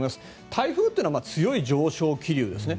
台風というのは強い上昇気流ですね。